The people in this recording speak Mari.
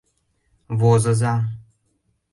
Возыза.